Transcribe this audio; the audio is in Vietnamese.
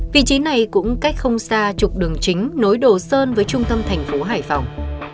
vị trí này cũng cách không xa trục đường chính nối đồ sơn với trung tâm thành phố hải phòng